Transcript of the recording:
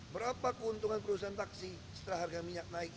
berapa keuntungan perusahaan taksi setelah harga minyak naik